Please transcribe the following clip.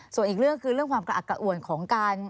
ส่วนอีกเรื่องคือเรื่องความกระอักกระอ่วนของการ